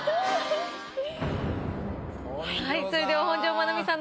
はいそれでは本上まなみさん